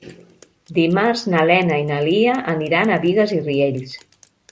Dimarts na Lena i na Lia aniran a Bigues i Riells.